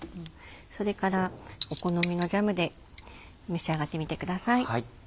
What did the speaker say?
それからお好みのジャムで召し上がってみてください。